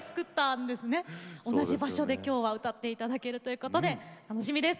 同じ場所で今日は歌っていただけるということで楽しみです。